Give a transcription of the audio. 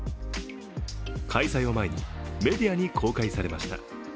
開催を前にメディアに公開されました。